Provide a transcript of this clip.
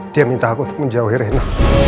dia minta aku untuk menjauhi rena